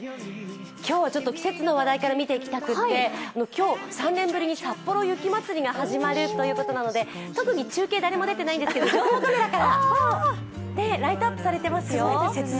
今日はちょっと季節の話題から見ていきたくて今日、３年ぶりにさっぽろ雪まつりが始まるということで特に中継誰も出てないんですけど情報カメラから、ライトアップされていますよ。